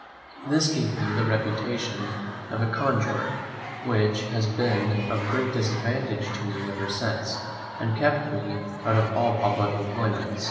This gave me first the reputation of a conjurer, which has been of great disadvantage to me ever since, and kept me out of all public employments.